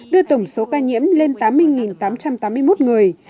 đưa tổng số ca nhiễm lên tám mươi tám trăm tám mươi một người